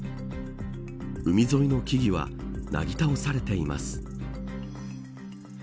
海沿いの木々はなぎ倒されています。